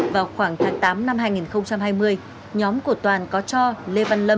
vào khoảng tháng tám năm hai nghìn hai mươi nhóm của toàn có cho lê văn lâm